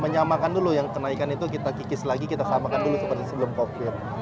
menyamakan dulu yang kenaikan itu kita kikis lagi kita samakan dulu seperti sebelum covid